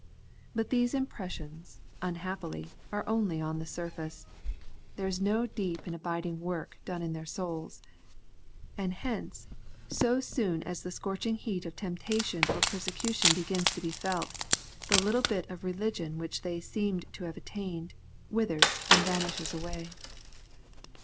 But these impressions, unhappily, are only on the surface. There is no deep and abiding work done in their souls. And hence, so soon as the scorching heat of temptation or persecution begins to be felt, the little bit of religion which they seemed to have attained, withers and vanishes away.